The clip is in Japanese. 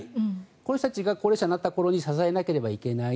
この人たちが高齢者になった頃に支えなければいけない